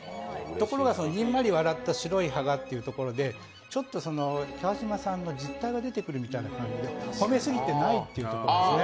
ところがにんまり笑った白い歯がというところが、ちょっと川島さんの実態が出てくる感じで褒めすぎてないですね。